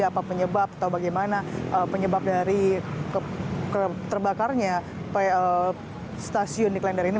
apa penyebab atau bagaimana penyebab dari terbakarnya stasiun di klender ini